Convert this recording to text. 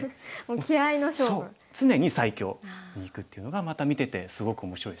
そう常に最強にいくっていうのがまた見ててすごく面白いですね。